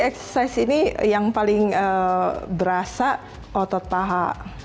excise ini yang paling berasa otot paha